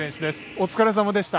お疲れさまでした。